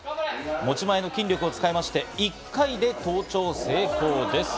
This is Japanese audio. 持ち前の筋力を使いまして、１回で登頂成功です。